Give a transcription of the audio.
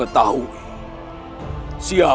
gak tahu namanya